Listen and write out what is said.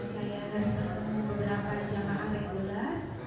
saya harus bertemu beberapa jamaah reguler